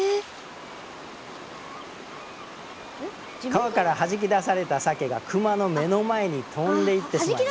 川からはじき出されたサケがクマの目の前に跳んでいってしまいます。